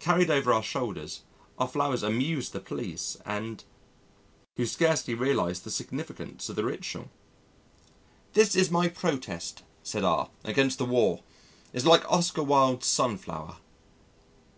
Carried over our shoulders, our flowers amused the police and , who scarcely realised the significance of the ritual. "This is my protest," said R , "against the war. It's like Oscar Wilde's Sunflower."